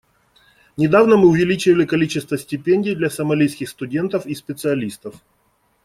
Недавно мы увеличили количество стипендий для сомалийских студентов и специалистов.